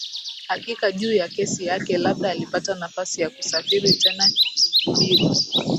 hakika juu ya kesi yake Labda alipata nafasi ya kusafiri tena na kuhubiri